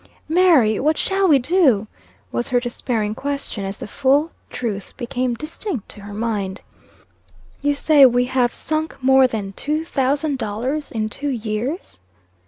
"Mary, what shall we do?" was her despairing question, as the full truth became distinct to her mind. "You say we have sunk more than two thousand dollars in two years?"